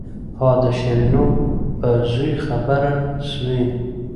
ها د شيرينو په زوى خبره سوې.